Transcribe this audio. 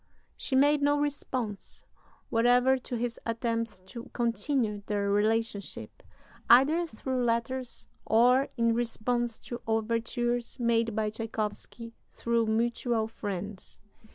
She made no response whatever to his attempts to continue their relationship, either through letters or in response to overtures made by Tschaikowsky through mutual friends.